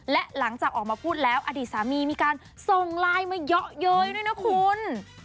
และหลังจากออกมาพูดแล้วอดีตสามีมีการส่งไลน์มาเยอะเย้ยด้วยนะคุณ